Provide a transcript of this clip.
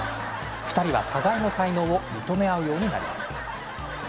２人は互いの才能を認め合うようになります。